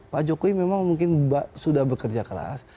pak jokowi memang mungkin sudah bekerja keras